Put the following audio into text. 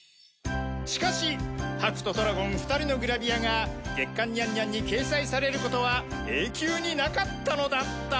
しかしハクとトラゴン２人のグラビアが『月刊ニャンニャン』に掲載されることは永久になかったのだった。